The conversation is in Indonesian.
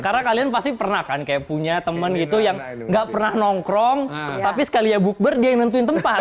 karena kalian pasti pernah kan punya temen gitu yang nggak pernah nongkrong tapi sekali ya bukber dia yang nentuin tempat